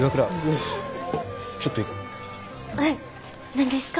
何ですか？